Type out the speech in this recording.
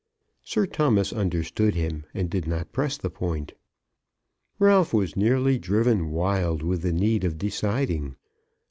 Sir Thomas understood him and did not press the point. Ralph was nearly driven wild with the need of deciding.